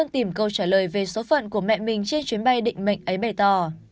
trả lời về số phận của mẹ mình trên chuyến bay định mệnh ấy bày tỏ